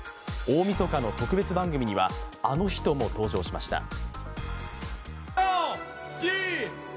大みそかの特別番組にはあの人も登場しました。